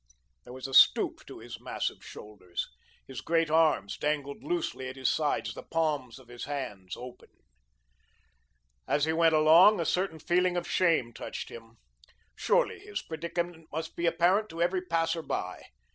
There was a stoop to his massive shoulders. His great arms dangled loosely at his sides, the palms of his hands open. As he went along, a certain feeling of shame touched him. Surely his predicament must be apparent to every passer by.